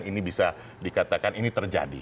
ini bisa dikatakan ini terjadi